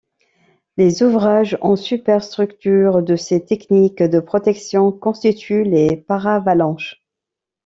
Les ouvrages en super-structure de ces techniques de protection constituent les paravalanches.